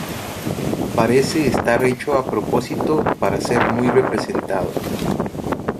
Parece estar hecho a propósito para ser muy representado.